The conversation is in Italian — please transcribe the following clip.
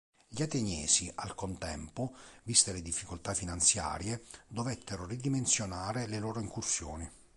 Gli Ateniesi, al contempo, viste le difficoltà finanziarie dovettero ridimensionare le loro incursioni.